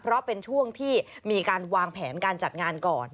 เพราะเป็นช่วงที่มีการวางแผนการจัดงานก่อน